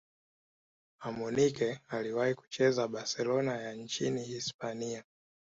amunike aliwahi kucheza barcelona ya nchini hispania